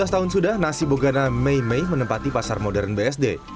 dua belas tahun sudah nasi bogana mei mei menempati pasar modern bsd